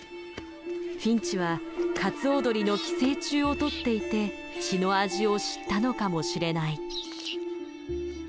フィンチはカツオドリの寄生虫を取っていて血の味を知ったのかもしれない。